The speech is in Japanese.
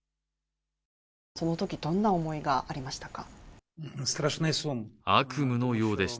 そのとき、どんな思いがありましたか？